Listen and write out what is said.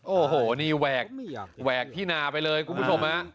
โอ้โหนี่แหวกแหวกที่นาไปเลยคุณผู้ชมฮะ